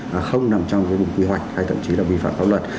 nó không nằm trong cái vùng quy hoạch hay thậm chí là vi phạm pháp luật